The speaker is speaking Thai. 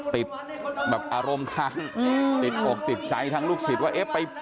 ติดแบบอารมณ์ค้างติดอกติดใจทั้งลูกศิษย์ว่าเอ๊ะไป